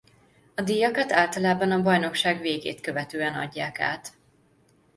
A díjakat általában a bajnokság végét követően adják át.